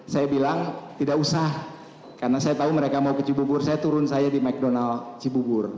saya bilang tidak usah karena saya tahu mereka mau ke cibubur saya turun saya di mcdonald cibubur